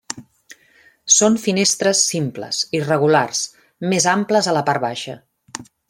Són finestres simples, irregulars, més amples a la part baixa.